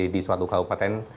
di suatu kabupaten